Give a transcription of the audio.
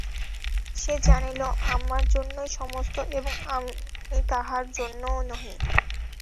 সে জানিল, আমার জন্যই সমস্ত এবং আমি কাহার জন্যও নহি।